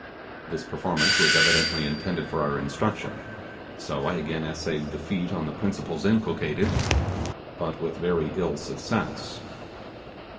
This performance was evidently intended for our instruction; so I again essayed the feat on the principles inculcated, but with very ill success.